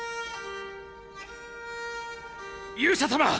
勇者様！